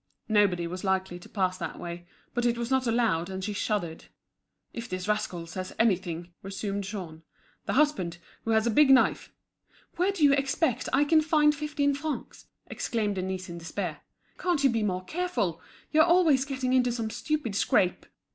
Nobody was likely to pass that way; but it was not allowed, and she shuddered. "If this rascal says anything," resumed Jean, "the husband, who has a big knife—" "Where do you expect I can find fifteen francs?" exclaimed Denise in despair. "Can't you be more careful? You're always getting into some stupid scrape!"